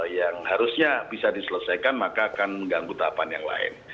yang harusnya bisa diselesaikan maka akan mengganggu tahapan yang lain